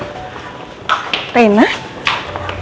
kamu kok bisa ada di sini ini acara kamu